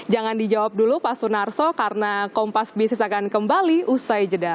jangan dijawab dulu pak sunarso karena kompas bisnis akan kembali usai jeda